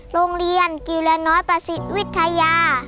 โรงเรียนกิวละน้อยประสิทธิ์วิทยา